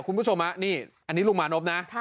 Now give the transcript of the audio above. คุณผู้ชมนี่อันนี้ลุงมานพนะ